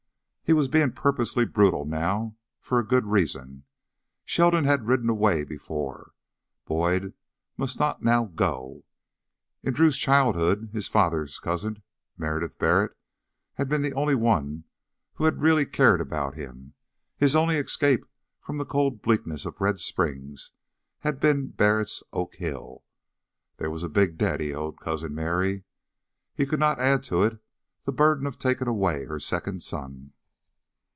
He was being purposefully brutal now, for a good reason. Sheldon had ridden away before; Boyd must not go now. In Drew's childhood, his father's cousin, Meredith Barrett, had been the only one who had really cared about him. His only escape from the cold bleakness of Red Springs had been Barrett's Oak Hill. There was a big debt he owed Cousin Merry; he could not add to it the burden of taking away her second son.